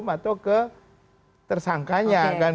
atau ke tersangkanya